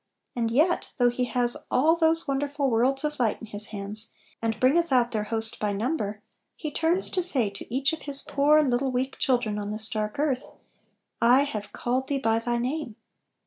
And yet, though He has all those wonderful worlds of light in His hands, and "bringeth out their host by number," *He turns to say to each of His poor little weak children on this dark earth, * I have called thee by thy name."